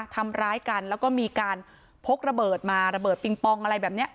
ทำร้ายกันแล้วก็มีการพกระเบิดมาระเบิดปิงปองอะไรแบบนี้